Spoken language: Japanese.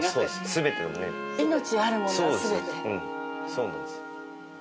そうなんです。